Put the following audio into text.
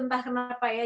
entah kenapa ya